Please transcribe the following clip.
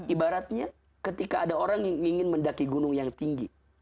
ibaratnya ketika ada orang yang ingin mendaki gunung yang tinggi